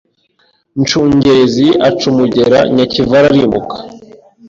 Nshungerezi aca umugera Nyakivara arimuka